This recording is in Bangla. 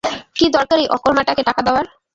কি দরকার ছিল এই অকর্মা কে টাকা দেওয়ার?